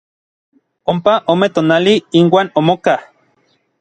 Ompa ome tonali inuan omokaj.